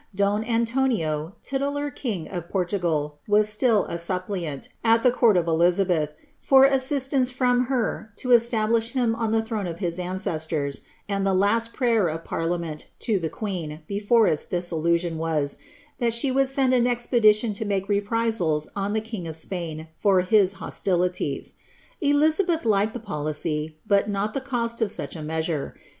Don Antonio, titular king of ortogal, was still a suppliant, at the court of Elizabeth, for assistance om her to establish him on the throne of his ancestors, and tlie last rayer of parliament to the queen, before its dissolution, was, that she oald send an expedition to make reprisals on the king of Spain for his ostilities. Elizabeth liked the policy, but not the cost of such a mea nre.